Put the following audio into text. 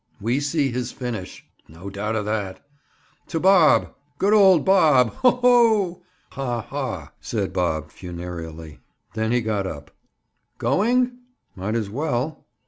"We see his finish." "No doubt of that." "To Bob! Good old Bob! Ho! ho!" "Ha! ha!" said Bob funereally. Then he got up. "Going?" "Might as well."